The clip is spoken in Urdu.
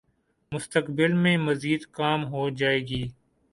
مستقبل میں مزید کم ہو جائے گی